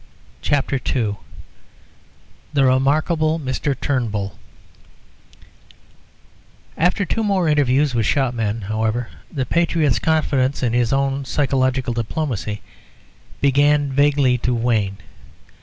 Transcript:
CHAPTER II The Remarkable Mr. Turnbull After two more interviews with shopmen, however, the patriot's confidence in his own psychological diplomacy began vaguely to wane.